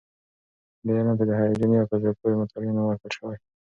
دې علم ته د هیجاني او په زړه پورې مطالعې نوم ورکړل شوی.